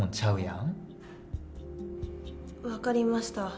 分かりました。